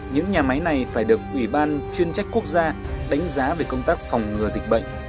những nhà máy này phải được ủy ban chuyên trách quốc gia đánh giá về công tác phòng ngừa dịch bệnh